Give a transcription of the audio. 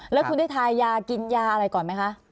แล้วคุณได้ทายากินยาอะไรก่อนไหมคะ